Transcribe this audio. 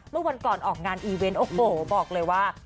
เมื่อวันก่อนออกงานอีเวนต์โอ้โหบอกเลยว่า